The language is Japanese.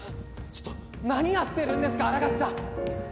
ちょっと何やってるんですか新垣さん